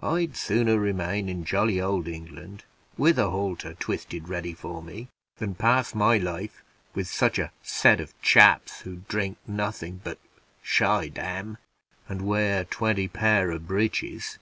I'd sooner remain in jolly old England with a halter twisted ready for me, than pass my life with such a set of chaps, who drink nothing but scheidam, and wear twenty pair of breeches.